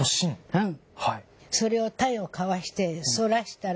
うん。